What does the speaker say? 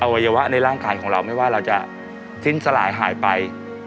วัยวะในร่างกายของเราไม่ว่าเราจะสิ้นสลายหายไป